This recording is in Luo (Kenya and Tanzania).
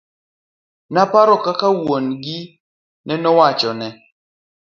Noparo kaka wuon gi newachone.